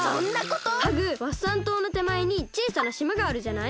ハグワッサンとうのてまえにちいさなしまがあるじゃない？